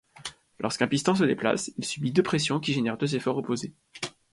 Lorsqu'un piston se déplace, il subit deux pressions qui génèrent deux efforts opposés.